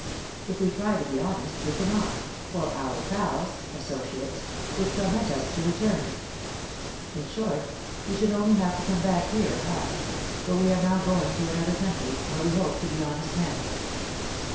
If we try to be honest we cannot, for our 'pals' (associates) would torment us to return; in short, we should only have to come back here at last, but we are now going to another country, where we hope to be honest men.'